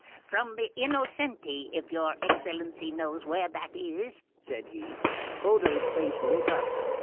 From the Innocenti, if your Excellency knows where that is," said he. Odo's face lit up.